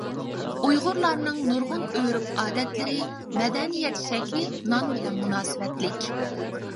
ئۇيغۇرلارنىڭ نۇرغۇن ئۆرۈپ-ئادەتلىرى، مەدەنىيەت شەكلى نان بىلەن مۇناسىۋەتلىك.